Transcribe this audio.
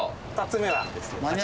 ２つ目はですね